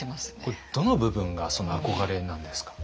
これどの部分が憧れなんですか？